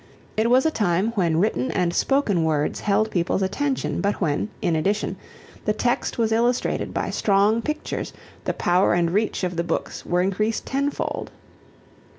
It was a time when written and spoken words held people's attention, but when, in addition, the text was illustrated by strong pictures the power and reach of the books were increased ten fold.